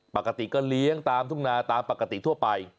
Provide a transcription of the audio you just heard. ปกติก็เลี้ยงตามทุ่งนาตามปกติทั่วไป